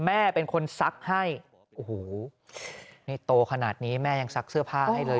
แม่เป็นคนซักให้โอ้โหนี่โตขนาดนี้แม่ยังซักเสื้อผ้าให้เลย